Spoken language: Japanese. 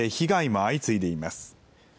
各地で被害も相次いでいます。